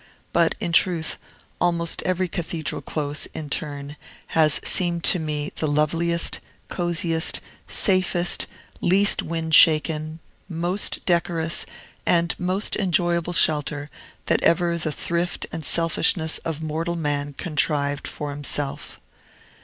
But, in truth, almost every cathedral close, in turn, has seemed to me the loveliest, cosiest, safest, least wind shaken, most decorous, and most enjoyable shelter that ever the thrift and selfishness of mortal man contrived for himself.